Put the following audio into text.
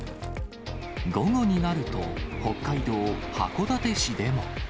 午後になると、北海道函館市でも。